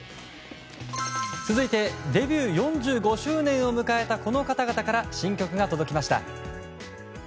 続いてデビュー４５周年を迎えたこの方々から新曲が届きました。